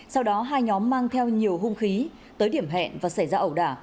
sau đó hai nhóm mang theo nhiều hung khí tới điểm hẹn và xảy ra ẩu đả